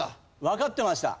わかってました？